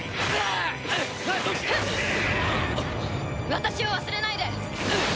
私を忘れないで！